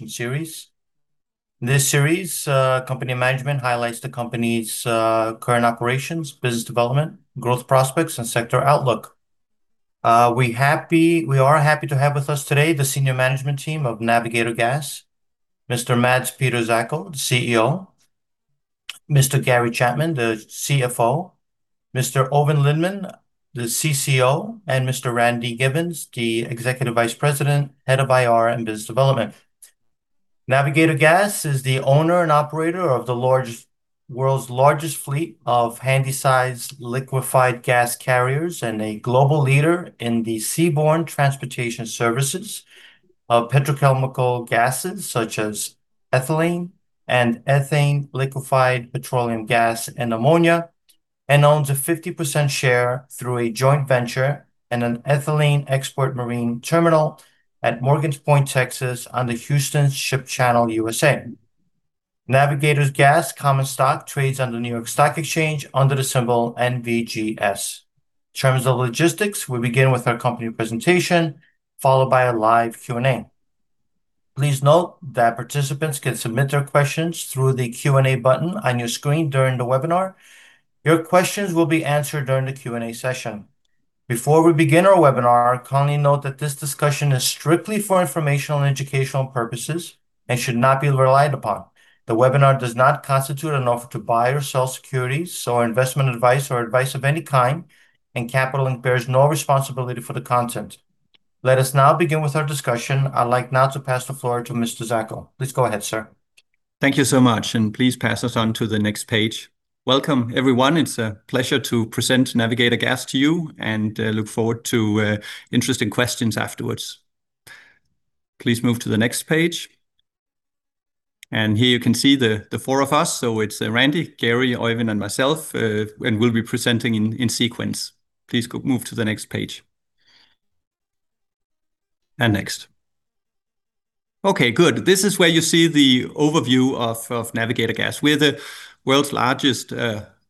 This series, company management highlights the company's current operations, business development, growth prospects, and sector outlook. We are happy to have with us today the senior management team of Navigator Gas: Mr. Mads Peter Zacho, the CEO; Mr. Gary Chapman, the CFO; Mr. Oeyvind Lindeman, the CCO; and Mr. Randy Giveans, the Executive Vice President, Head of Investor Relations and Business Development. Navigator Gas is the owner and operator of the world's largest fleet of handysize liquefied gas carriers and a global leader in the seaborne transportation services of petrochemical gases such as ethylene and ethane, liquefied petroleum gas, and ammonia, and owns a 50% share through a joint venture in an ethylene export marine terminal at Morgan's Point, Texas on the Houston Ship Channel, USA. Navigator Gas's common stock trades on the New York Stock Exchange under the symbol NVGS. In terms of logistics, we begin with our company presentation, followed by a live Q&A. Please note that participants can submit their questions through the Q&A button on your screen during the webinar. Your questions will be answered during the Q&A session. Before we begin our webinar, I'll kindly note that this discussion is strictly for informational and educational purposes and should not be relied upon. The webinar does not constitute an offer to buy or sell securities, or investment advice, or advice of any kind, and Capital Link bears no responsibility for the content. Let us now begin with our discussion. I'd like now to pass the floor to Mr. Zacho. Please go ahead, sir. Thank you so much, and please pass us on to the next page. Welcome, everyone. It's a pleasure to present Navigator Gas to you, and look forward to interesting questions afterwards. Please move to the next page. And here you can see the four of us. So it's Randy, Gary, Oeyvind, and myself, and we'll be presenting in sequence. Please move to the next page. And next. Okay, good. This is where you see the overview of Navigator Gas. We're the world's largest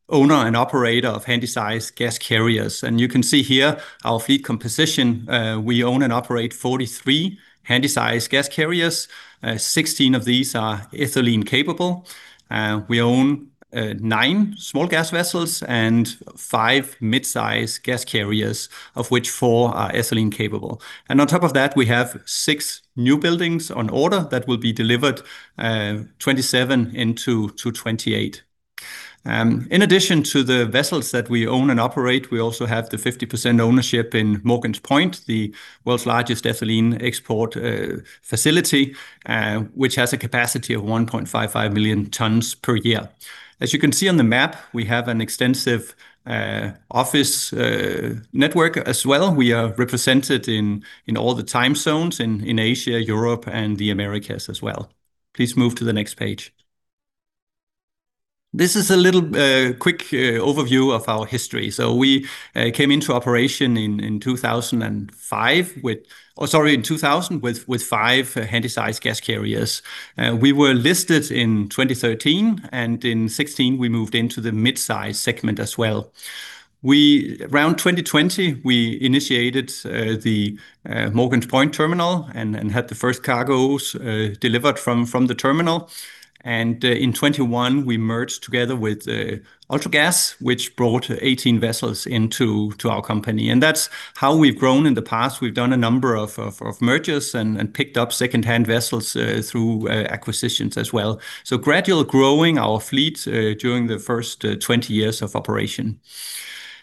owner and operator of handysize gas carriers. And you can see here our fleet composition. We own and operate 43 handysize gas carriers. 16 of these are ethylene-capable. We own nine small gas vessels and five mid-sized gas carriers, of which four are ethylene-capable. And on top of that, we have six newbuildings on order that will be delivered 2027 to 2028. In addition to the vessels that we own and operate, we also have the 50% ownership in Morgan's Point, the world's largest ethylene export facility, which has a capacity of 1.55 million tons per year. As you can see on the map, we have an extensive office network as well. We are represented in all the time zones in Asia, Europe, and the Americas as well. Please move to the next page. This is a little quick overview of our history. So we came into operation in 2000 with five handy-size gas carriers. We were listed in 2013, and in 2016 we moved into the mid-size segment as well. Around 2020, we initiated the Morgan's Point terminal and had the first cargoes delivered from the terminal. In 2021, we merged together with Ultragas, which brought 18 vessels into our company. And that's how we've grown in the past. We've done a number of mergers and picked up second-hand vessels, through acquisitions as well. So gradual growing our fleet, during the first 20 years of operation.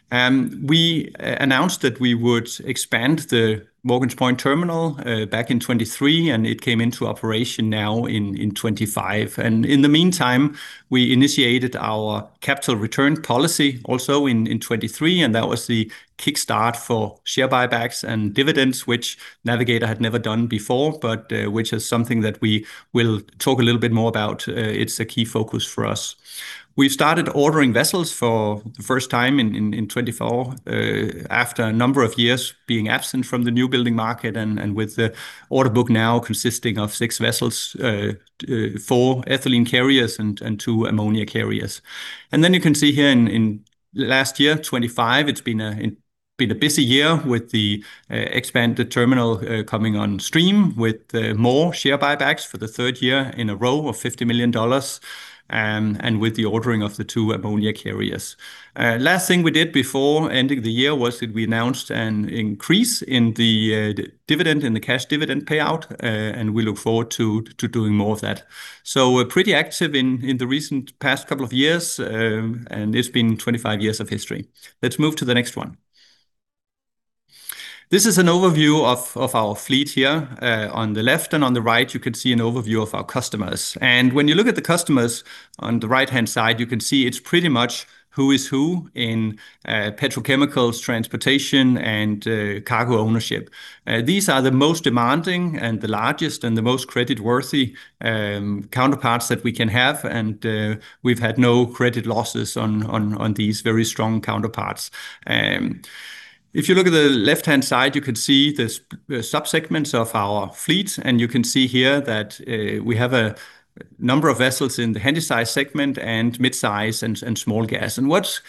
We announced that we would expand the Morgan's Point terminal, back in 2023, and it came into operation now in 2025. And in the meantime, we initiated our capital return policy also in 2023, and that was the kickstart for share buybacks and dividends, which Navigator had never done before, but which is something that we will talk a little bit more about. It's a key focus for us. We've started ordering vessels for the first time in 2024, after a number of years being absent from the newbuilding market and with the order book now consisting of six vessels, four ethylene carriers and two ammonia carriers. And then you can see here in last year, 2025, it's been a busy year with the expanded terminal coming on stream with more share buybacks for the third year in a row of $50 million, and with the ordering of the two ammonia carriers. Last thing we did before ending the year was that we announced an increase in the dividend in the cash dividend payout, and we look forward to doing more of that. We're pretty active in the recent past couple of years, and it's been 25 years of history. Let's move to the next one. This is an overview of our fleet here. On the left and on the right, you can see an overview of our customers. And when you look at the customers on the right-hand side, you can see it's pretty much who is who in petrochemicals, transportation, and cargo ownership. These are the most demanding and the largest and the most creditworthy counterparts that we can have. We've had no credit losses on these very strong counterparts. If you look at the left-hand side, you can see the subsegments of our fleet, and you can see here that we have a number of vessels in the handysize segment and mid-size and small gas. What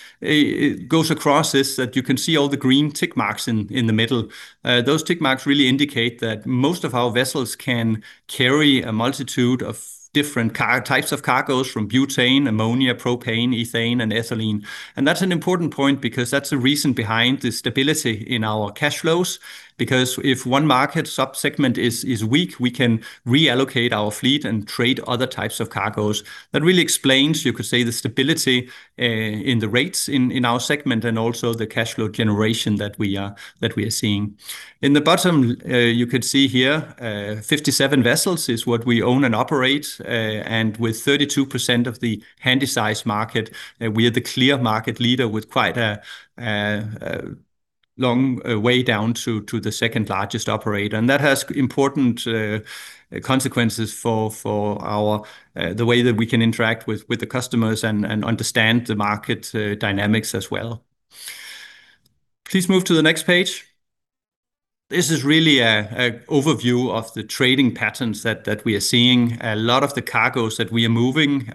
goes across is that you can see all the green tick marks in the middle. Those tick marks really indicate that most of our vessels can carry a multitude of different types of cargoes from butane, ammonia, propane, ethane, and ethylene. That's an important point because that's the reason behind the stability in our cash flows. Because if one market subsegment is weak, we can reallocate our fleet and trade other types of cargoes. That really explains, you could say, the stability in the rates in our segment and also the cash flow generation that we are seeing. In the bottom, you could see here, 57 vessels is what we own and operate, and with 32% of the handy-size market, we are the clear market leader with quite a long way down to the second largest operator, and that has important consequences for our the way that we can interact with the customers and understand the market dynamics as well. Please move to the next page. This is really an overview of the trading patterns that we are seeing. A lot of the cargoes that we are moving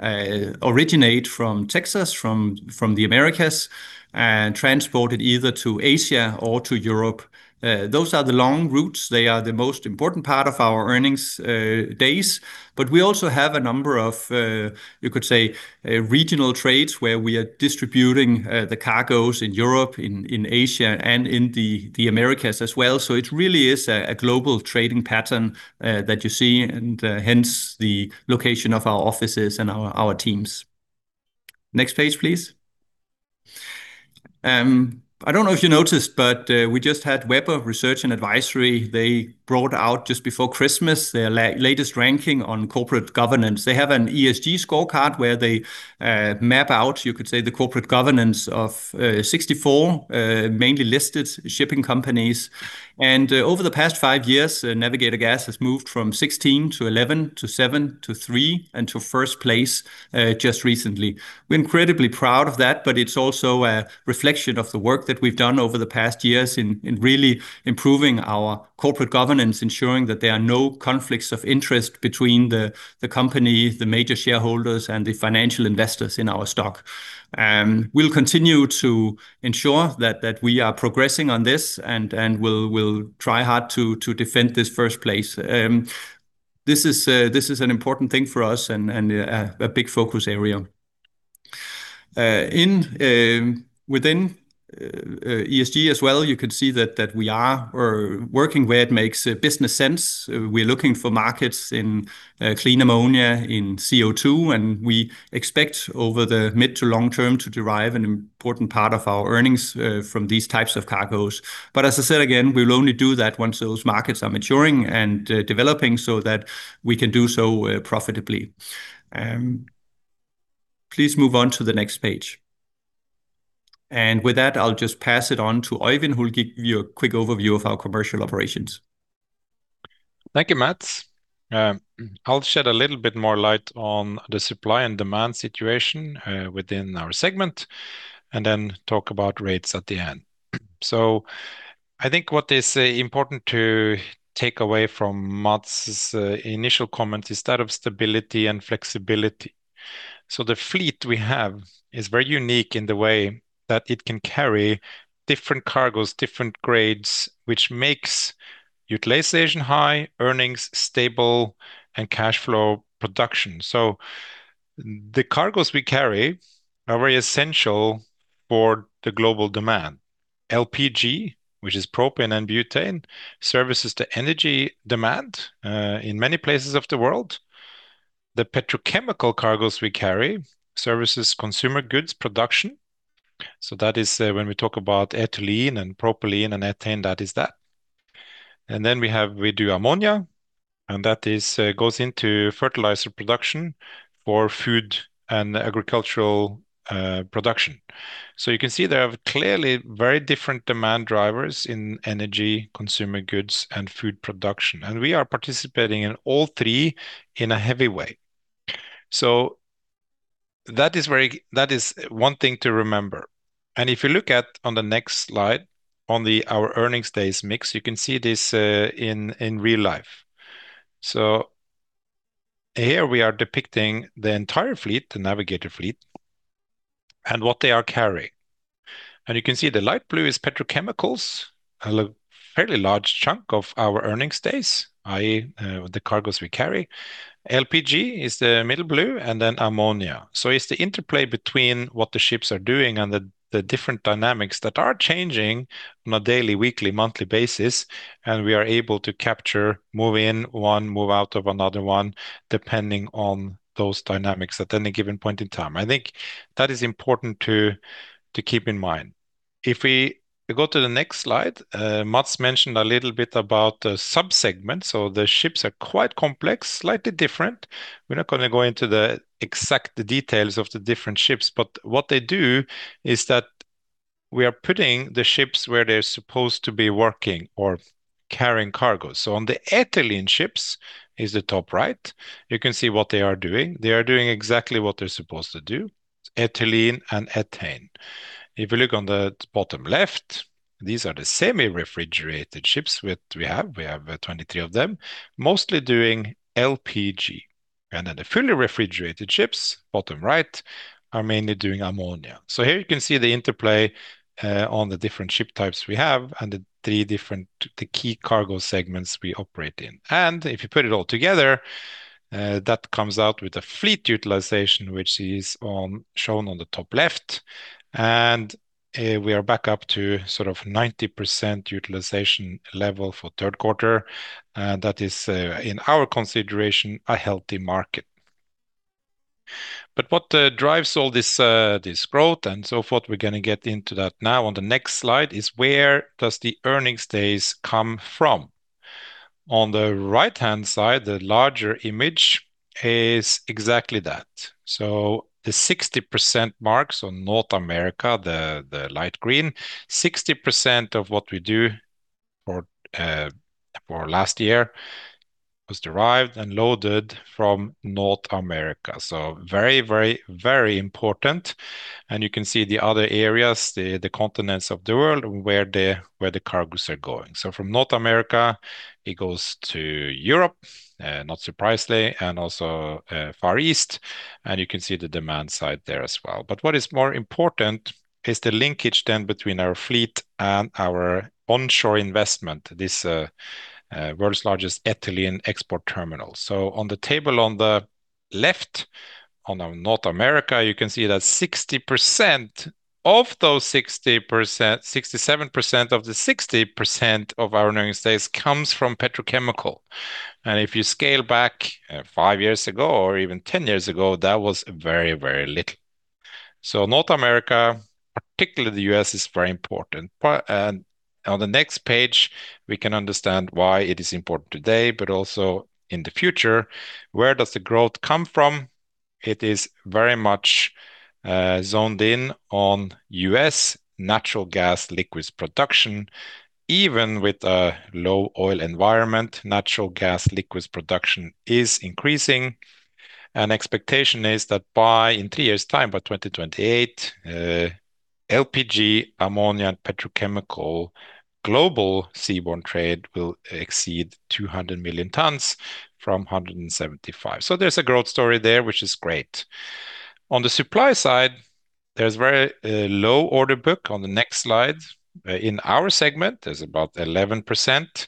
originate from Texas, from the Americas, and transported either to Asia or to Europe. Those are the long routes. They are the most important part of our earnings days. But we also have a number of, you could say, regional trades where we are distributing the cargoes in Europe, in Asia, and in the Americas as well. So it really is a global trading pattern, that you see, and hence the location of our offices and our teams. Next page, please. I don't know if you noticed, but we just had Webber Research and Advisory. They brought out just before Christmas their latest ranking on corporate governance. They have an ESG scorecard where they map out, you could say, the corporate governance of 64 mainly listed shipping companies. And over the past five years, Navigator Gas has moved from 16 to 11 to seven to three and to first place, just recently. We're incredibly proud of that, but it's also a reflection of the work that we've done over the past years in really improving our corporate governance, ensuring that there are no conflicts of interest between the company, the major shareholders, and the financial investors in our stock. We'll continue to ensure that we are progressing on this and we'll try hard to defend this first place. This is an important thing for us and a big focus area. Within ESG as well, you can see that we are working where it makes business sense. We're looking for markets in clean ammonia, in CO2, and we expect over the mid to long term to derive an important part of our earnings from these types of cargoes. But as I said again, we'll only do that once those markets are maturing and developing so that we can do so, profitably. Please move on to the next page. And with that, I'll just pass it on to Oeyvind, who'll give you a quick overview of our commercial operations. Thank you, Mads. I'll shed a little bit more light on the supply and demand situation within our segment and then talk about rates at the end, so I think what is important to take away from Mads' initial comments is that of stability and flexibility, so the fleet we have is very unique in the way that it can carry different cargoes, different grades, which makes utilization high, earnings stable, and cash flow production. The cargoes we carry are very essential for the global demand. LPG, which is propane and butane, services the energy demand in many places of the world. The petrochemical cargoes we carry services consumer goods production, so that is, when we talk about ethylene and propylene and ethane, that is that, and then we have, we do ammonia, and that is, goes into fertilizer production for food and agricultural production. So you can see there are clearly very different demand drivers in energy, consumer goods, and food production. And we are participating in all three in a heavy way. So that is very, that is one thing to remember. And if you look at the next slide, on our earnings days mix, you can see this, in real life. So here we are depicting the entire fleet, the Navigator fleet, and what they are carrying. And you can see the light blue is petrochemicals, a fairly large chunk of our earnings days, i.e., the cargoes we carry. LPG is the middle blue, and then ammonia. So it's the interplay between what the ships are doing and the different dynamics that are changing on a daily, weekly, monthly basis. We are able to capture, move in one, move out of another one depending on those dynamics at any given point in time. I think that is important to keep in mind. If we go to the next slide, Mads mentioned a little bit about the subsegment. The ships are quite complex, slightly different. We're not going to go into the exact details of the different ships, but what they do is that we are putting the ships where they're supposed to be working or carrying cargoes. On the ethylene ships is the top right. You can see what they are doing. They are doing exactly what they're supposed to do: ethylene and ethane. If you look on the bottom left, these are the semi-refrigerated ships that we have. We have 23 of them, mostly doing LPG. And then the fully-refrigerated ships, bottom right, are mainly doing ammonia. So here you can see the interplay, on the different ship types we have and the three different key cargo segments we operate in. And if you put it all together, that comes out with a fleet utilization, which is shown on the top left. And we are back up to sort of 90% utilization level for third quarter. And that is, in our consideration, a healthy market. But what drives all this, this growth, and so forth, we're going to get into that now on the next slide, is where does the earnings days come from? On the right-hand side, the larger image is exactly that. So the 60% marks on North America, the light green, 60% of what we do for last year was derived and loaded from North America. Very, very, very important. You can see the other areas, the continents of the world where the cargoes are going. From North America, it goes to Europe, not surprisingly, and also Far East, you can see the demand side there as well. What is more important is the linkage then between our fleet and our onshore investment, this world's largest ethylene export terminal. On the table on the left on our North America, you can see that 60% of those 60%, 67% of the 60% of our earnings days comes from petrochemical. If you scale back five years ago or even ten years ago, that was very, very little. North America, particularly the U.S., is very important. On the next page, we can understand why it is important today, but also in the future. Where does the growth come from? It is very much zoomed in on U.S. natural gas liquids production. Even with a low oil environment, natural gas liquids production is increasing. And expectation is that by in three years' time, by 2028, LPG, ammonia, and petrochemical global seaborne trade will exceed 200 million tons from 175. So there's a growth story there, which is great. On the supply side, there's very low order book on the next slide. In our segment, there's about 11%.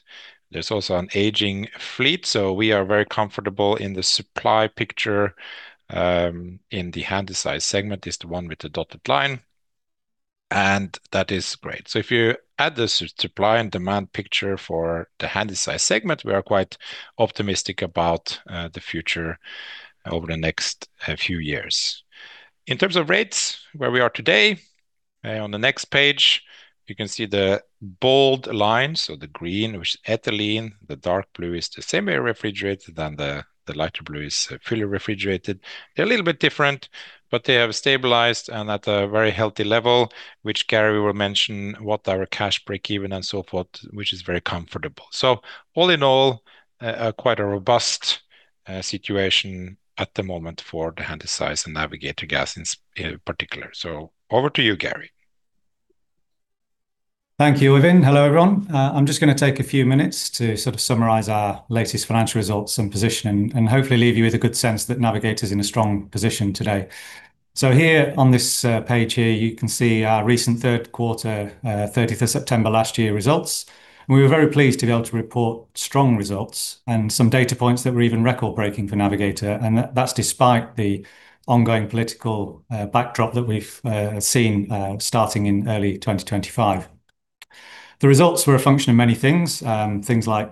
There's also an aging fleet. So we are very comfortable in the supply picture. In the handysize segment is the one with the dotted line. And that is great. So if you add the supply and demand picture for the handysize segment, we are quite optimistic about the future over the next few years. In terms of rates, where we are today, on the next page, you can see the bold line. So the green, which is ethylene, the dark blue is the semi-refrigerated, and the lighter blue is fully-refrigerated. They're a little bit different, but they have stabilized and at a very healthy level, which Gary will mention what our cash break even and so forth, which is very comfortable. So all in all, quite a robust situation at the moment for the handysize and Navigator Gas in particular. So over to you, Gary. Thank you, Oeyvind. Hello, everyone. I'm just going to take a few minutes to sort of summarize our latest financial results and position and hopefully leave you with a good sense that Navigator is in a strong position today. So here on this page here, you can see our recent third quarter, 30th of September last year results. And we were very pleased to be able to report strong results and some data points that were even record-breaking for Navigator. And that's despite the ongoing political backdrop that we've seen, starting in early 2025. The results were a function of many things, things like,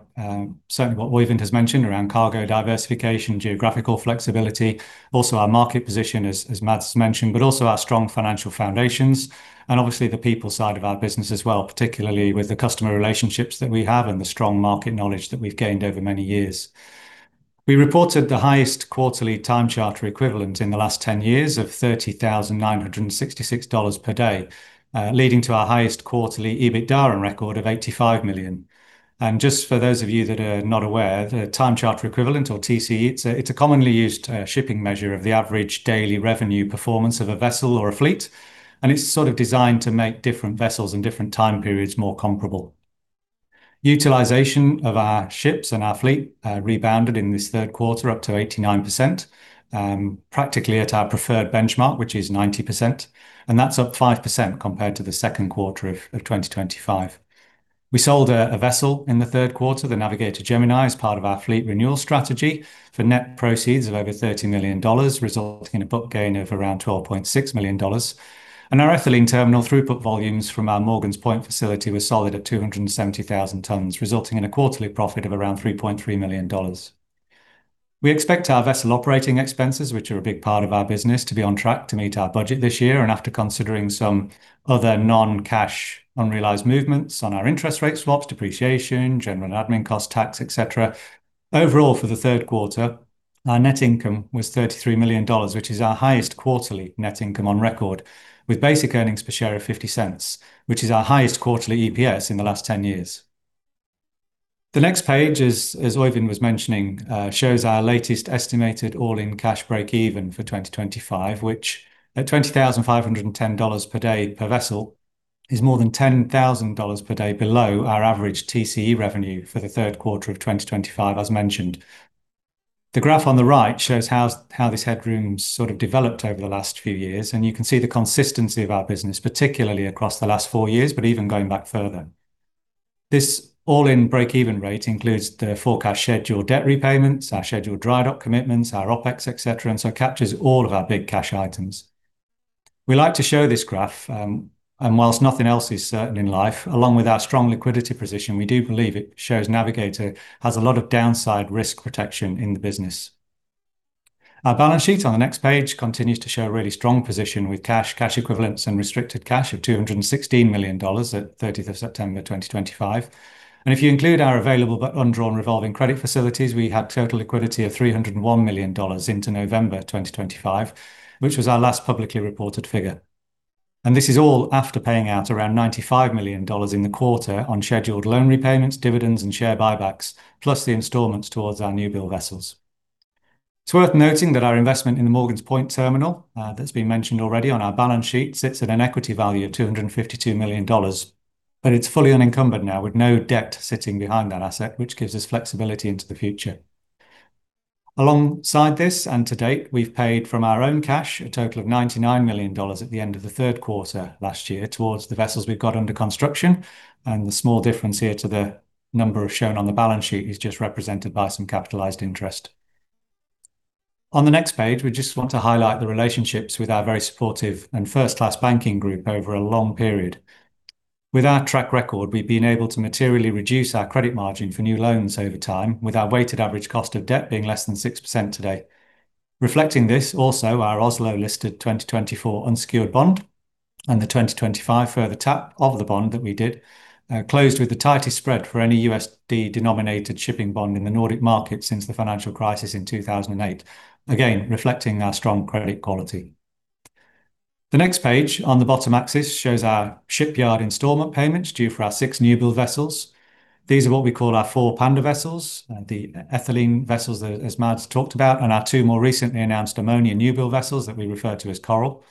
certainly what Oeyvind has mentioned around cargo diversification, geographical flexibility, also our market position, as Mads mentioned, but also our strong financial foundations and obviously the people side of our business as well, particularly with the customer relationships that we have and the strong market knowledge that we've gained over many years. We reported the highest quarterly time charter equivalent in the last 10 years of $30,966 per day, leading to our highest quarterly EBITDA record of $85 million. Just for those of you that are not aware, the time charter equivalent, or TCE, it's a commonly used shipping measure of the average daily revenue performance of a vessel or a fleet. It's sort of designed to make different vessels and different time periods more comparable. Utilization of our ships and our fleet rebounded in this third quarter up to 89%, practically at our preferred benchmark, which is 90%. That's up 5% compared to the second quarter of 2025. We sold a vessel in the third quarter, the Navigator Gemini, as part of our fleet renewal strategy for net proceeds of over $30 million, resulting in a book gain of around $12.6 million. Our ethylene terminal throughput volumes from our Morgan's Point facility were solid at 270,000 tons, resulting in a quarterly profit of around $3.3 million. We expect our vessel operating expenses, which are a big part of our business, to be on track to meet our budget this year. After considering some other non-cash unrealized movements on our interest rate swaps, depreciation, general and admin cost tax, etc., overall for the third quarter, our net income was $33 million, which is our highest quarterly net income on record, with basic earnings per share of $0.50, which is our highest quarterly EPS in the last ten years. The next page, as Oeyvind was mentioning, shows our latest estimated all-in cash break even for 2025, which at $20,510 per day per vessel is more than $10,000 per day below our average TCE revenue for the third quarter of 2025, as mentioned. The graph on the right shows how this headroom sort of developed over the last few years, and you can see the consistency of our business, particularly across the last four years, but even going back further. This all-in break-even rate includes the forecast scheduled debt repayments, our scheduled dry dock commitments, our OPEX, etc., and so captures all of our big cash items. We like to show this graph, and while nothing else is certain in life, along with our strong liquidity position, we do believe it shows Navigator has a lot of downside risk protection in the business. Our balance sheet on the next page continues to show a really strong position with cash, cash equivalents, and restricted cash of $216 million at 30 September 2025. If you include our available but undrawn revolving credit facilities, we had total liquidity of $301 million into November 2025, which was our last publicly reported figure. This is all after paying out around $95 million in the quarter on scheduled loan repayments, dividends, and share buybacks, plus the installments towards our newbuild vessels. It's worth noting that our investment in the Morgan's Point terminal, that's been mentioned already on our balance sheet, sits at an equity value of $252 million, but it's fully unencumbered now with no debt sitting behind that asset, which gives us flexibility into the future. Alongside this and to date, we've paid from our own cash a total of $99 million at the end of the third quarter last year towards the vessels we've got under construction. And the small difference here to the number shown on the balance sheet is just represented by some capitalized interest. On the next page, we just want to highlight the relationships with our very supportive and first-class banking group over a long period. With our track record, we've been able to materially reduce our credit margin for new loans over time, with our weighted average cost of debt being less than 6% today. Reflecting this also, our Oslo-listed 2024 unsecured bond and the 2025 further tap of the bond that we did closed with the tightest spread for any USD-denominated shipping bond in the Nordic market since the financial crisis in 2008, again reflecting our strong credit quality. The next page on the bottom axis shows our shipyard installment payments due for our six newbuild vessels. These are what we call our four Panda vessels, the ethylene vessels that Mads talked about, and our two more recently announced ammonia newbuild vessels that we refer to as Coral.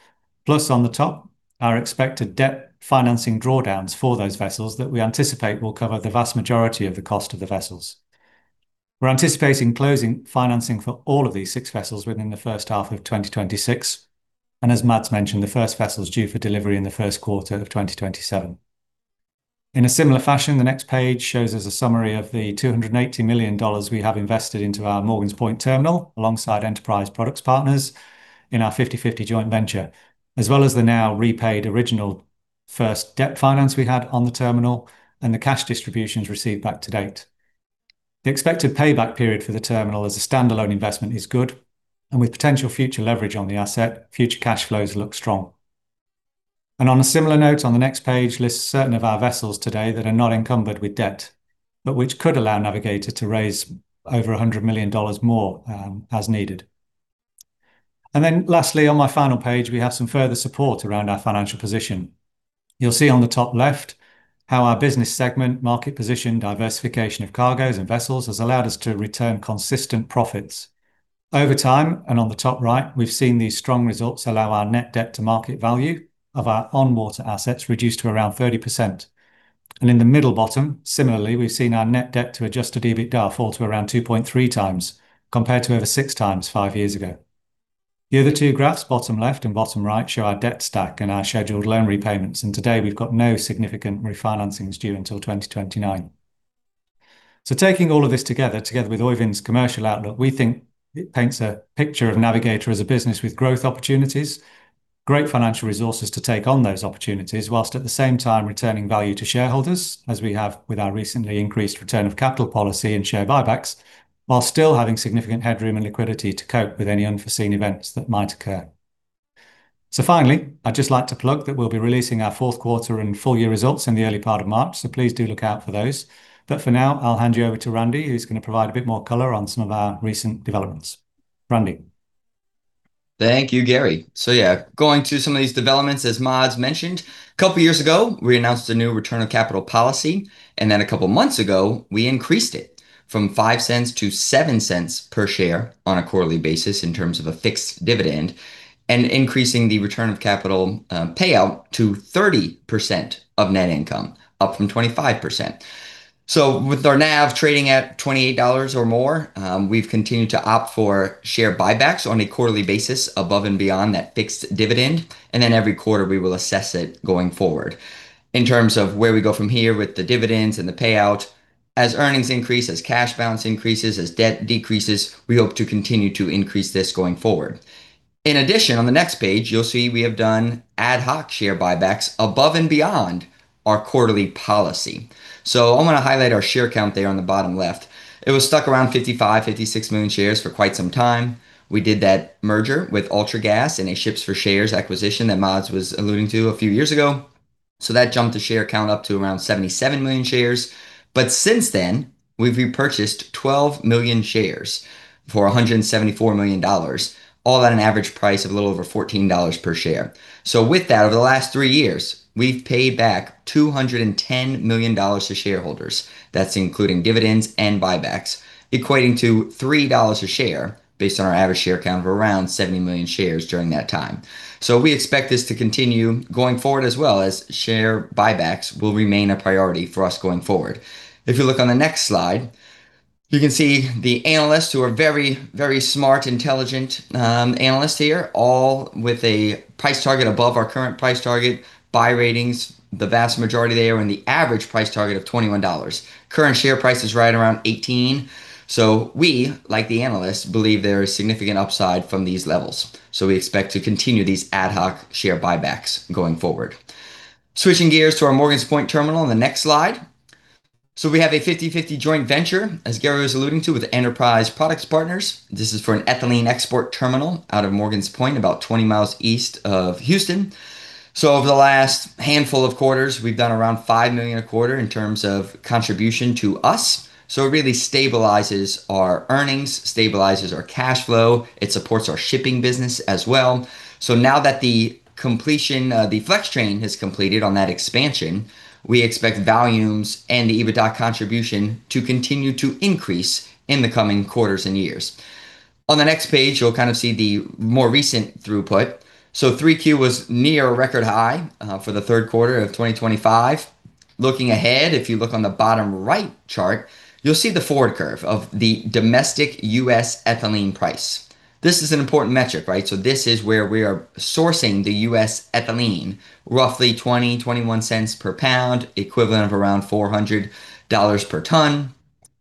Plus, on the top, our expected debt financing drawdowns for those vessels that we anticipate will cover the vast majority of the cost of the vessels. We're anticipating closing financing for all of these six vessels within the first half of 2026, and as Mads mentioned, the first vessels due for delivery in the first quarter of 2027. In a similar fashion, the next page shows us a summary of the $280 million we have invested into our Morgan's Point terminal alongside Enterprise Products Partners in our 50/50 joint venture, as well as the now repaid original first debt finance we had on the terminal and the cash distributions received back to date. The expected payback period for the terminal as a standalone investment is good, and with potential future leverage on the asset, future cash flows look strong. And on a similar note, on the next page lists certain of our vessels today that are not encumbered with debt, but which could allow Navigator to raise over $100 million more as needed. And then lastly, on my final page, we have some further support around our financial position. You'll see on the top left how our business segment, market position, diversification of cargoes and vessels has allowed us to return consistent profits over time. And on the top right, we've seen these strong results allow our net debt-to-market value of our on-water assets reduced to around 30%. And in the middle bottom, similarly, we've seen our net debt-to-adjusted EBITDA fall to around 2.3x compared to over 6x five years ago. The other two graphs, bottom left and bottom right, show our debt stack and our scheduled loan repayments. Today we've got no significant refinancings due until 2029. Taking all of this together with Oeyvind's commercial outlook, we think it paints a picture of Navigator as a business with growth opportunities, great financial resources to take on those opportunities, while at the same time returning value to shareholders as we have with our recently increased return of capital policy and share buybacks, while still having significant headroom and liquidity to cope with any unforeseen events that might occur. Finally, I'd just like to plug that we'll be releasing our fourth quarter and full-year results in the early part of March, so please do look out for those. For now, I'll hand you over to Randy, who's going to provide a bit more color on some of our recent developments. Randy? Thank you, Gary. So yeah, going to some of these developments, as Mads mentioned. A couple of years ago we announced a new return of capital policy, and then a couple of months ago we increased it from $0.05 to $0.07 per share on a quarterly basis in terms of a fixed dividend and increasing the return of capital payout to 30% of net income, up from 25%. So with our NAV trading at $28 or more, we've continued to opt for share buybacks on a quarterly basis above and beyond that fixed dividend. Then every quarter we will assess it going forward in terms of where we go from here with the dividends and the payout. As earnings increase, as cash balance increases, as debt decreases, we hope to continue to increase this going forward. In addition, on the next page, you'll see we have done ad hoc share buybacks above and beyond our quarterly policy. So I want to highlight our share count there on the bottom left. It was stuck around 55, 56 million shares for quite some time. We did that merger with Ultragas and a Ships for Shares acquisition that Mads was alluding to a few years ago. So that jumped the share count up to around 77 million shares. But since then, we've repurchased 12 million shares for $174 million, all at an average price of a little over $14 per share. So with that, over the last three years, we've paid back $210 million to shareholders. That's including dividends and buybacks, equating to $3 a share based on our average share count of around 70 million shares during that time. So we expect this to continue going forward, as well as share buybacks will remain a priority for us going forward. If you look on the next slide, you can see the analysts who are very, very smart, intelligent analysts here, all with a price target above our current price target, buy ratings, the vast majority there in the average price target of $21. Current share price is right around $18. So we, like the analysts, believe there is significant upside from these levels. So we expect to continue these ad hoc share buybacks going forward. Switching gears to our Morgan's Point terminal on the next slide. So we have a 50/50 joint venture, as Gary was alluding to, with Enterprise Products Partners. This is for an ethylene export terminal out of Morgan's Point, about 20 miles east of Houston. So over the last handful of quarters, we've done around $5 million a quarter in terms of contribution to us. So it really stabilizes our earnings, stabilizes our cash flow. It supports our shipping business as well. So now that the completion, the flex train has completed on that expansion, we expect volumes and the EBITDA contribution to continue to increase in the coming quarters and years. On the next page, you'll kind of see the more recent throughput. So 3Q was near a record high for the third quarter of 2025. Looking ahead, if you look on the bottom right chart, you'll see the forward curve of the domestic U.S. ethylene price. This is an important metric, right? So this is where we are sourcing the U.S. ethylene, roughly $0.20-$0.21 per pound, equivalent of around $400 per ton.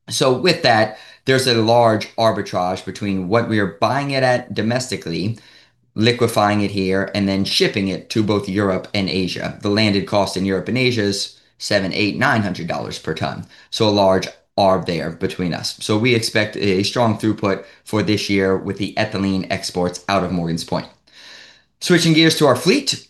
With that, there's a large arbitrage between what we are buying it at domestically, liquefying it here, and then shipping it to both Europe and Asia. The landed cost in Europe and Asia is $700, $800, $900 per ton. So a large arb there between us. We expect a strong throughput for this year with the ethylene exports out of Morgan's Point. Switching gears to our fleet,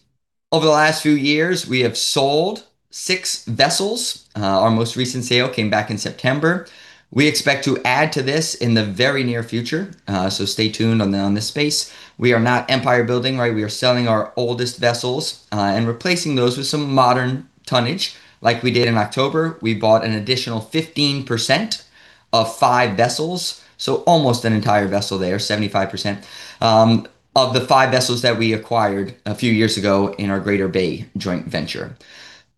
over the last few years, we have sold six vessels. Our most recent sale came back in September. We expect to add to this in the very near future. So stay tuned on this space. We are not empire building, right? We are selling our oldest vessels and replacing those with some modern tonnage. Like we did in October, we bought an additional 15% of five vessels. So almost an entire vessel there, 75% of the five vessels that we acquired a few years ago in our Greater Bay joint venture.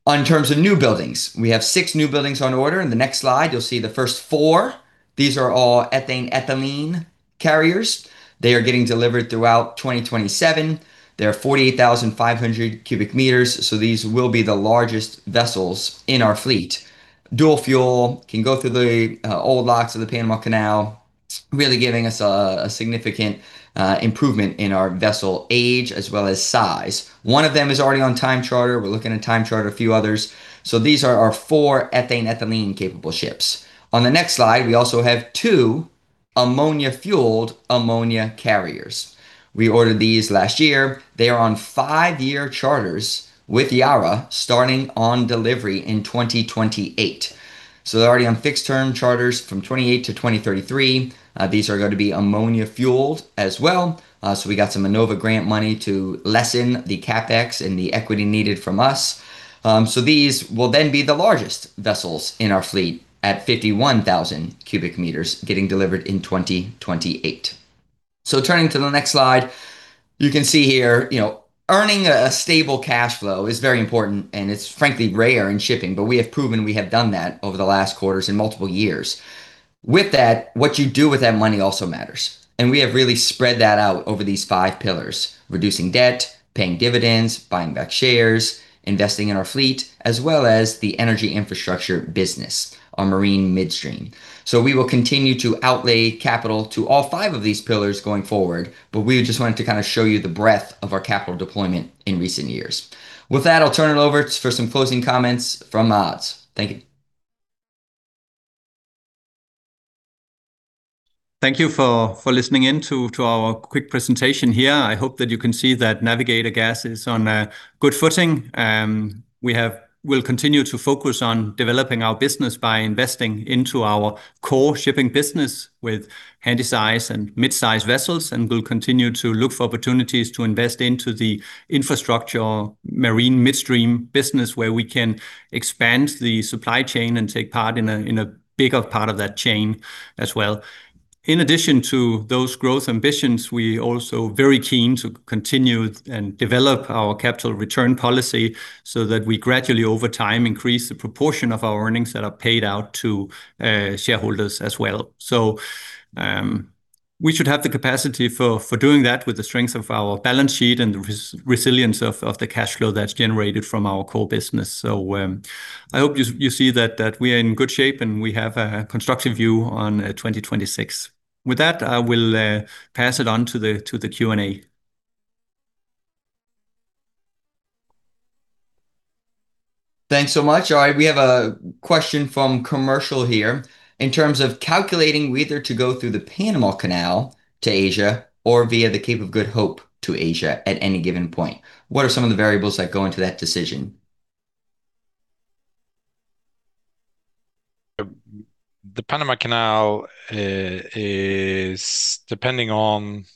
In terms of newbuildings, we have six newbuildings on order. In the next slide, you'll see the first four. These are all ethane-ethylene carriers. They are getting delivered throughout 2027. They're 48,500 cubic meters. So these will be the largest vessels in our fleet. Dual fuel can go through the old locks of the Panama Canal, really giving us a significant improvement in our vessel age as well as size. One of them is already on time charter. We're looking at time charter a few others. So these are our four ethane-ethylene capable ships. On the next slide, we also have two ammonia-fueled ammonia carriers. We ordered these last year. They are on five-year charters with Yara starting on delivery in 2028. They're already on fixed-term charters from 2028 to 2033. These are going to be ammonia-fueled as well. We got some Enova grant money to lessen the CapEx and the equity needed from us. These will then be the largest vessels in our fleet at 51,000 cubic meters getting delivered in 2028. Turning to the next slide, you can see here, you know, earning a stable cash flow is very important, and it's frankly rare in shipping, but we have proven we have done that over the last quarters in multiple years. With that, what you do with that money also matters, and we have really spread that out over these five pillars: reducing debt, paying dividends, buying back shares, investing in our fleet, as well as the energy infrastructure business, our marine midstream. So we will continue to outlay capital to all five of these pillars going forward, but we just wanted to kind of show you the breadth of our capital deployment in recent years. With that, I'll turn it over for some closing comments from Mads. Thank you. Thank you for listening in to our quick presentation here. I hope that you can see that Navigator Gas is on good footing. We will continue to focus on developing our business by investing into our core shipping business with handysize and mid-sized vessels, and we'll continue to look for opportunities to invest into the infrastructure marine midstream business where we can expand the supply chain and take part in a bigger part of that chain as well. In addition to those growth ambitions, we are also very keen to continue and develop our capital return policy so that we gradually, over time, increase the proportion of our earnings that are paid out to shareholders as well. So we should have the capacity for doing that with the strength of our balance sheet and the resilience of the cash flow that's generated from our core business. So I hope you see that we are in good shape and we have a constructive view on 2026. With that, I will pass it on to the Q&A. Thanks so much. All right, we have a question from Commercial here. In terms of calculating whether to go through the Panama Canal to Asia or via the Cape of Good Hope to Asia at any given point, what are some of the variables that go into that decision? The Panama Canal is depending on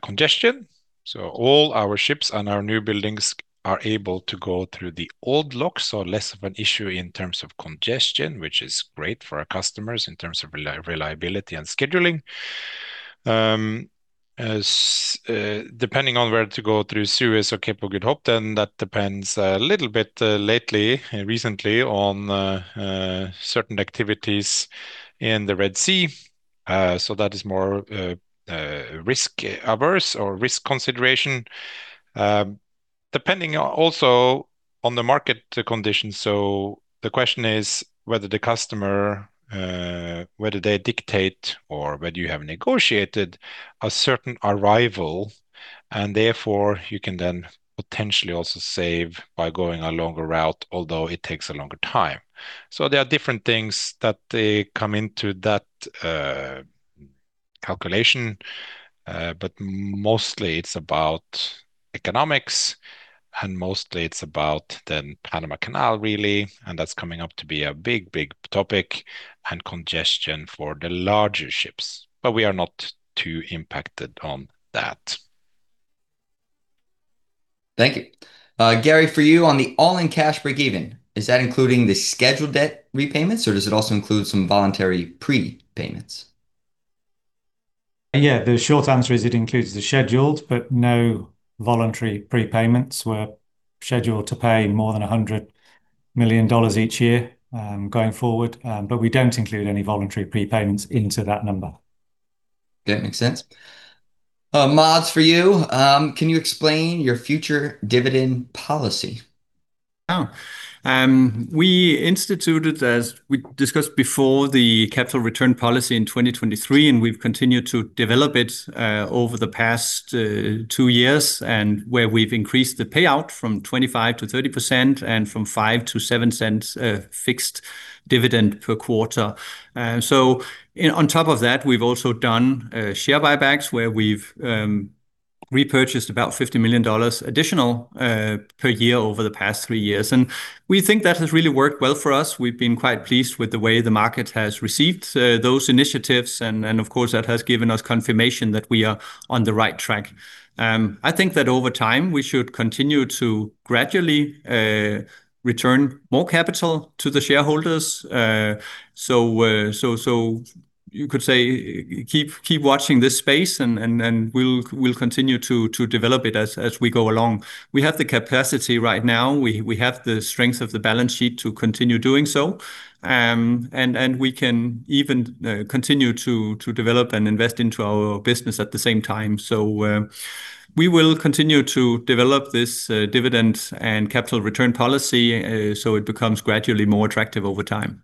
congestion. So all our ships and our newbuildings are able to go through the old locks, so less of an issue in terms of congestion, which is great for our customers in terms of reliability and scheduling. Depending on where to go through Suez or Cape of Good Hope, then that depends a little bit lately and recently on certain activities in the Red Sea. So that is more risk averse or risk consideration, depending also on the market conditions. So the question is whether the customer, whether they dictate or whether you have negotiated a certain arrival, and therefore you can then potentially also save by going a longer route, although it takes a longer time. So there are different things that come into that calculation, but mostly it's about economics, and mostly it's about then Panama Canal, really, and that's coming up to be a big, big topic and congestion for the larger ships. But we are not too impacted on that. Thank you. Gary, for you on the all-in cash breakeven, is that including the scheduled debt repayments, or does it also include some voluntary prepayments? Yeah. The short answer is it includes the scheduled, but no voluntary prepayments. We're scheduled to pay more than $100 million each year going forward, but we don't include any voluntary prepayments into that number. That makes sense. Mads, for you, can you explain your future dividend policy? We instituted, as we discussed before, the capital return policy in 2023, and we've continued to develop it over the past two years, and where we've increased the payout from 25% to 30% and from $0.05 to $0.07 fixed dividend per quarter. So on top of that, we've also done share buybacks where we've repurchased about $50 million additional per year over the past three years, and we think that has really worked well for us. We've been quite pleased with the way the market has received those initiatives, and of course, that has given us confirmation that we are on the right track. I think that over time, we should continue to gradually return more capital to the shareholders, so you could say keep watching this space, and we'll continue to develop it as we go along. We have the capacity right now. We have the strength of the balance sheet to continue doing so, and we can even continue to develop and invest into our business at the same time, so we will continue to develop this dividend and capital return policy so it becomes gradually more attractive over time.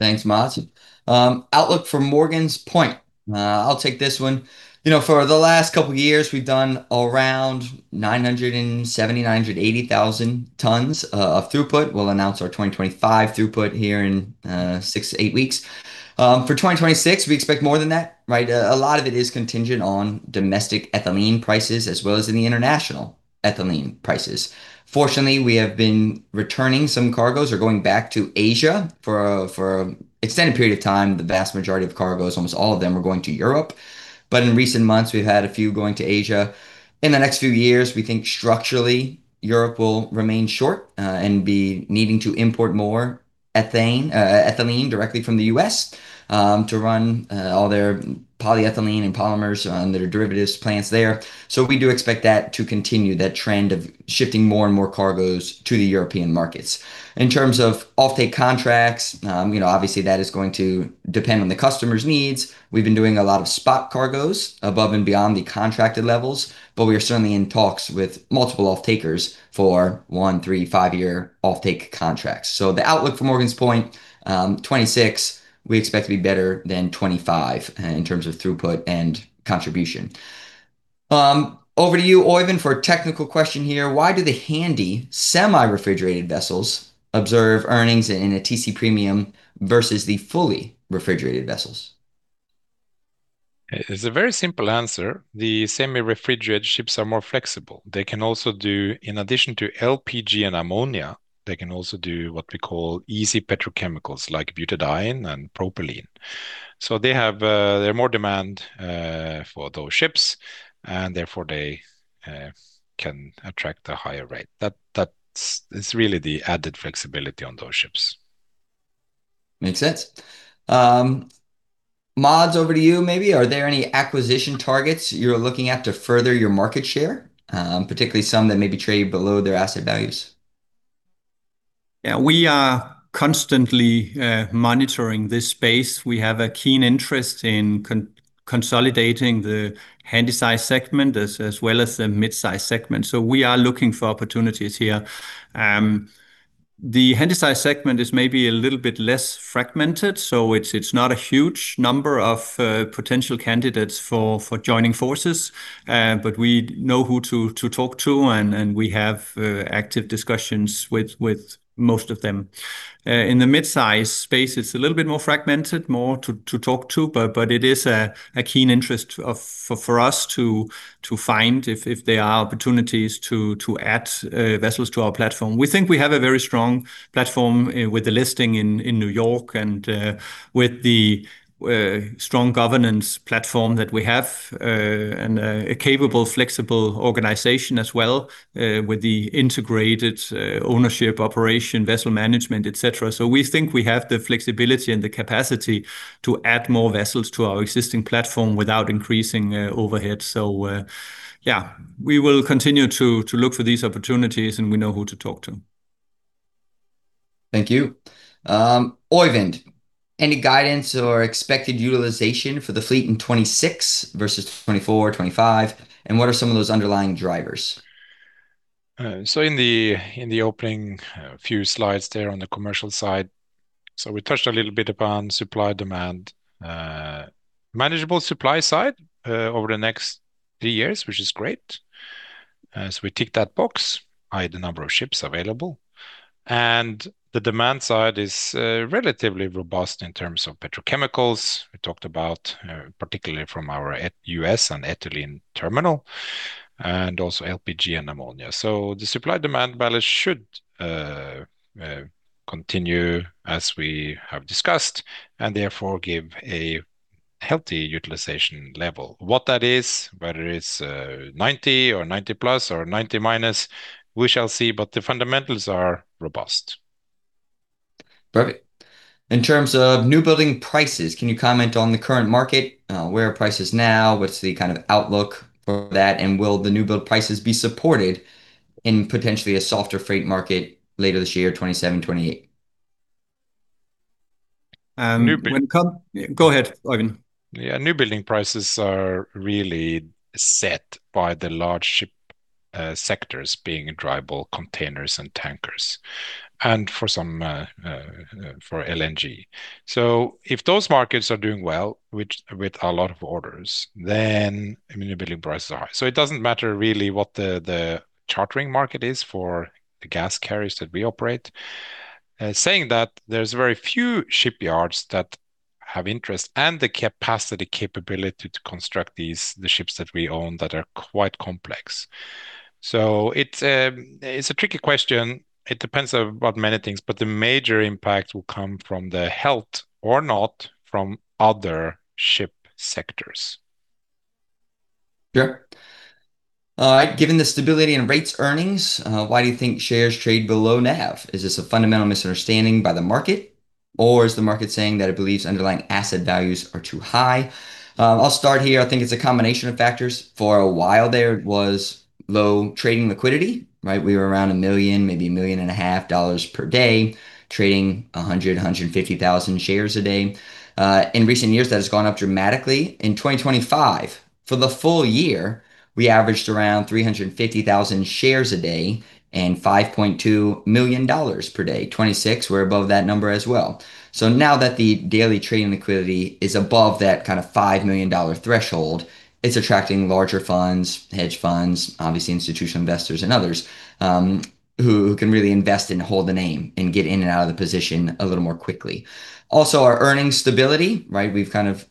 Thanks, Mads. Outlook for Morgan's Point. I'll take this one. You know, for the last couple of years, we've done around 970,000 and 980,000 tons of throughput. We'll announce our 2025 throughput here in six to eight weeks. For 2026, we expect more than that, right? A lot of it is contingent on domestic ethylene prices as well as in the international ethylene prices. Fortunately, we have been returning some cargoes or going back to Asia for an extended period of time. The vast majority of cargoes, almost all of them, are going to Europe. But in recent months, we've had a few going to Asia. In the next few years, we think structurally Europe will remain short and be needing to import more ethylene directly from the U.S. to run all their polyethylene and polymers and their derivatives plants there. So we do expect that to continue, that trend of shifting more and more cargoes to the European markets. In terms of off-take contracts, you know, obviously that is going to depend on the customer's needs. We've been doing a lot of spot cargoes above and beyond the contracted levels, but we are certainly in talks with multiple off-takers for one, three, five-year off-take contracts. So the outlook for Morgan's Point 2026, we expect to be better than 2025 in terms of throughput and contribution. Over to you, Oeyvind for a technical question here. Why do the handy semi-refrigerated vessels observe earnings in a TC premium versus the fully-refrigerated vessels? There's a very simple answer. The semi-refrigerated ships are more flexible. They can also do, in addition to LPG and ammonia, they can also do what we call easy petrochemicals like butadiene and propylene. So they have more demand for those ships, and therefore they can attract a higher rate. That's really the added flexibility on those ships. Makes sense. Mads, over to you maybe. Are there any acquisition targets you're looking at to further your market share, particularly some that may be traded below their asset values? Yeah. We are constantly monitoring this space. We have a keen interest in consolidating the handysize segment as well as the mid-sized segment. So we are looking for opportunities here. The handysize segment is maybe a little bit less fragmented, so it's not a huge number of potential candidates for joining forces, but we know who to talk to, and we have active discussions with most of them. In the mid-sized space, it's a little bit more fragmented, more to talk to, but it is a keen interest for us to find if there are opportunities to add vessels to our platform. We think we have a very strong platform with the listing in New York and with the strong governance platform that we have and a capable, flexible organization as well with the integrated ownership, operation, vessel management, etc. So we think we have the flexibility and the capacity to add more vessels to our existing platform without increasing overhead. So yeah, we will continue to look for these opportunities, and we know who to talk to. Thank you. Oeyvind, any guidance or expected utilization for the fleet in 2026 versus 2024, 2025, and what are some of those underlying drivers? So in the opening few slides there on the commercial side, so we touched a little bit upon supply demand, manageable supply side over the next three years, which is great. So we ticked that box, either number of ships available. And the demand side is relatively robust in terms of petrochemicals. We talked about particularly from our U.S. and ethylene terminal and also LPG and ammonia. So the supply demand balance should continue as we have discussed and therefore give a healthy utilization level. What that is, whether it's 90 or 90 plus or 90 minus, we shall see, but the fundamentals are robust. Perfect. In terms of newbuilding prices, can you comment on the current market? Where are prices now? What's the kind of outlook for that? And will the newbuild prices be supported in potentially a softer freight market later this year, 2027, 2028? Newbuilding. Go ahead, Oeyvind. Yeah. Newbuilding prices are really set by the large ship sectors being dry bulk, containers and tankers and for LNG. So if those markets are doing well with a lot of orders, then newbuilding prices are high. So it doesn't matter really what the chartering market is for the gas carriers that we operate. Saying that there's very few shipyards that have interest and the capacity, capability to construct the ships that we own that are quite complex. So it's a tricky question. It depends on many things, but the major impact will come from the health or not from other ship sectors. Yeah. Given the stability in rates earnings, why do you think shares trade below NAV? Is this a fundamental misunderstanding by the market, or is the market saying that it believes underlying asset values are too high? I'll start here. I think it's a combination of factors. For a while, there was low trading liquidity, right? We were around $1 million, maybe $1.5 million per day, trading 100,000, 150,000 shares a day. In recent years, that has gone up dramatically. In 2025, for the full year, we averaged around 350,000 shares a day and $5.2 million per day. In 2026, we're above that number as well. So now that the daily trading liquidity is above that kind of $5 million threshold, it's attracting larger funds, hedge funds, obviously institutional investors and others who can really invest and hold the name and get in and out of the position a little more quickly. Also, our earnings stability, right? We've kind of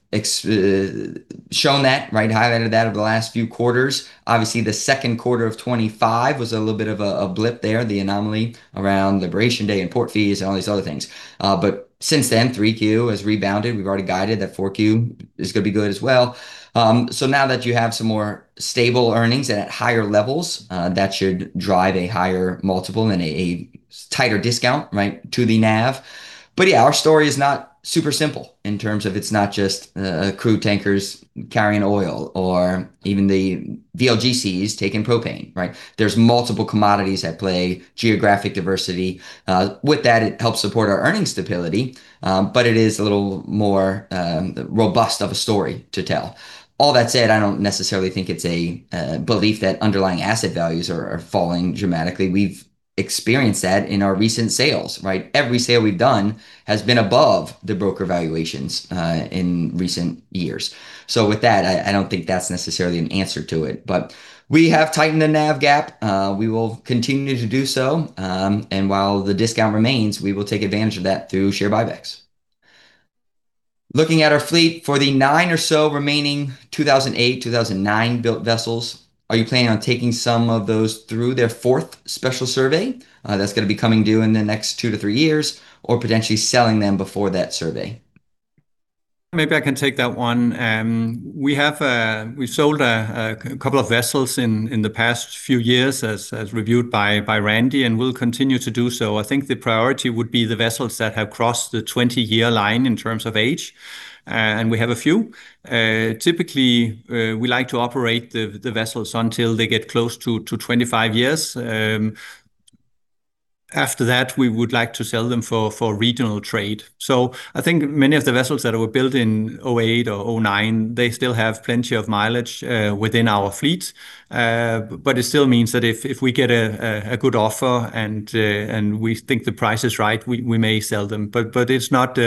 shown that, right? Highlighted that over the last few quarters. Obviously, the second quarter of 2025 was a little bit of a blip there, the anomaly around liberation day and port fees and all these other things. But since then, 3Q has rebounded. We've already guided that 4Q is going to be good as well. So now that you have some more stable earnings at higher levels, that should drive a higher multiple and a tighter discount, right, to the NAV. But yeah, our story is not super simple in terms of it's not just crude tankers carrying oil or even the VLGCs taking propane, right? There's multiple commodities at play, geographic diversity. With that, it helps support our earnings stability, but it is a little more robust of a story to tell. All that said, I don't necessarily think it's a belief that underlying asset values are falling dramatically. We've experienced that in our recent sales, right? Every sale we've done has been above the broker valuations in recent years. So with that, I don't think that's necessarily an answer to it, but we have tightened the NAV gap. We will continue to do so. And while the discount remains, we will take advantage of that through share buybacks. Looking at our fleet for the nine or so remaining 2008, 2009 built vessels, are you planning on taking some of those through their fourth special survey? That's going to be coming due in the next two to three years or potentially selling them before that survey. Maybe I can take that one. We sold a couple of vessels in the past few years, as reviewed by Randy, and we'll continue to do so. I think the priority would be the vessels that have crossed the 20-year line in terms of age, and we have a few. Typically, we like to operate the vessels until they get close to 25 years. After that, we would like to sell them for regional trade. So I think many of the vessels that were built in 2008 or 2009, they still have plenty of mileage within our fleet, but it still means that if we get a good offer and we think the price is right, we may sell them, but it's not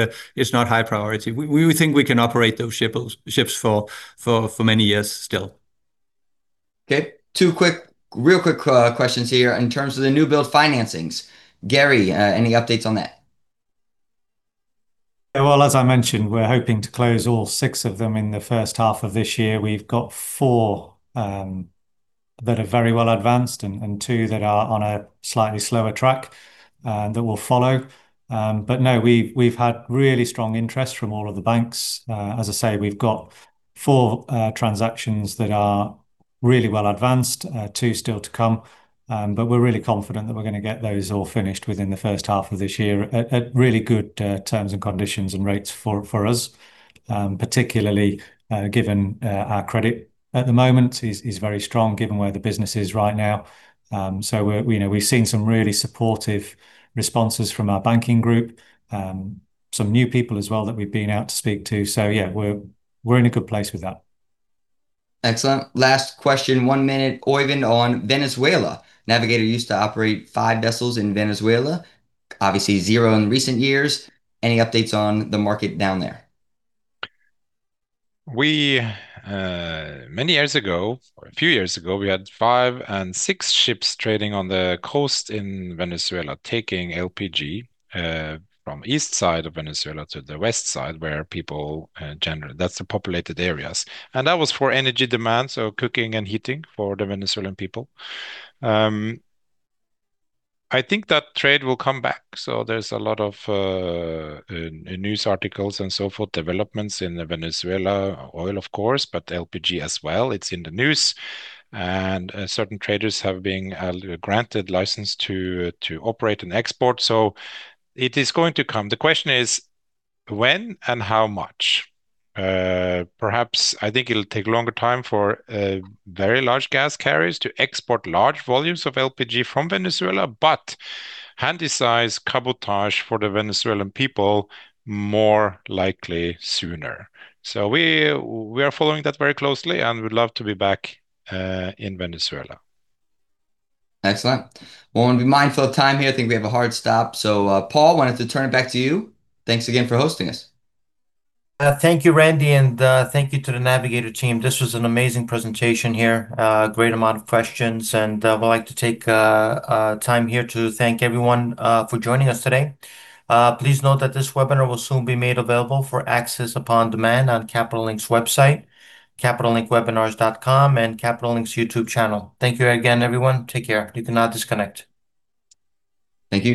high priority. We think we can operate those ships for many years still. Okay. Two quick, real quick questions here. In terms of the newbuild financings, Gary, any updates on that? As I mentioned, we're hoping to close all six of them in the first half of this year. We've got four that are very well advanced and two that are on a slightly slower track that will follow. No, we've had really strong interest from all of the banks. As I say, we've got four transactions that are really well advanced, two still to come, but we're really confident that we're going to get those all finished within the first half of this year at really good terms and conditions and rates for us, particularly given our credit at the moment is very strong given where the business is right now. We've seen some really supportive responses from our banking group, some new people as well that we've been out to speak to. Yeah, we're in a good place with that. Excellent. Last question, one minute, Oeyvind on Venezuela. Navigator used to operate five vessels in Venezuela, obviously zero in recent years. Any updates on the market down there? Many years ago, or a few years ago, we had five and six ships trading on the coast in Venezuela taking LPG from the east side of Venezuela to the west side where people, that's the populated areas, and that was for energy demand, so cooking and heating for the Venezuelan people. I think that trade will come back, so there's a lot of news articles and so forth, developments in Venezuela, oil of course, but LPG as well. It's in the news, and certain traders have been granted license to operate and export, so it is going to come. The question is when and how much. Perhaps I think it'll take longer time for very large gas carriers to export large volumes of LPG from Venezuela, but handysized cabotage for the Venezuelan people more likely sooner. So we are following that very closely and would love to be back in Venezuela. Excellent. We'll be mindful of time here. I think we have a hard stop. So, Paul, I wanted to turn it back to you. Thanks again for hosting us. Thank you, Randy, and thank you to the Navigator team. This was an amazing presentation here, a great amount of questions, and we'd like to take time here to thank everyone for joining us today. Please note that this webinar will soon be made available for access upon demand on Capital Link's website, capitallinkwebinars.com, and Capital Link's YouTube channel. Thank you again, everyone. Take care. You can now disconnect. Thank you.